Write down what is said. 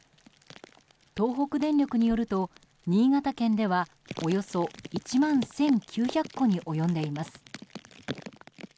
東北電力によると、新潟県ではおよそ１万１９００戸に及んでいます。